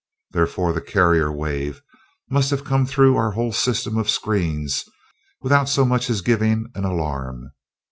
Therefore the carrier wave must have come through our whole system of screens without so much as giving an alarm.